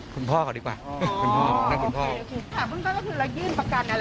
คุณพ่อเขาดีกว่าคุณพ่อคุณพ่อโอเคคุณพ่อก็คือเรายื่นประกันอะไร